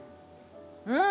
うん！